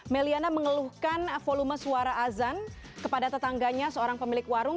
meliana mengeluhkan volume suara azan kepada tetangganya seorang pemilik warung